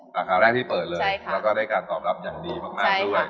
สาขาแรกที่เปิดเลยแล้วก็ได้การตอบรับอย่างดีมากด้วย